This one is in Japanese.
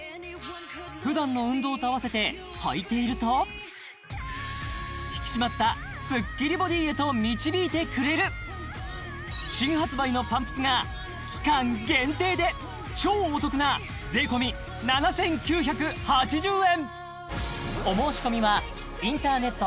普段の運動とあわせて履いていると引き締まったスッキリボディへと導いてくれる新発売のパンプスが期間限定で超お得な税込７９８０円